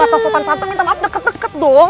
ga tau sopan santan minta maaf deket deket dong